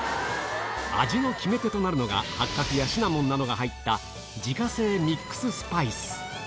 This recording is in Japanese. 味の決め手となるのが、ハッカクやシナモンなどが入った自家製ミックススパイス。